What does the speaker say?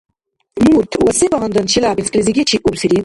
Мурт ва се багьандан Челябинсклизи гечиубсири?